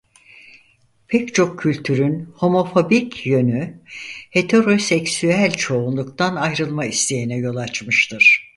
Pek çok kültürün homofobik yönü heteroseksüel çoğunluktan ayrılma isteğine yol açmıştır.